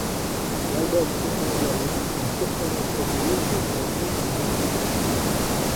L'album contient également une surprenante reprise de ' de Simon and Garfunkel.